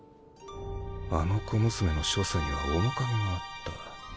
あの小娘の所作には面影があった。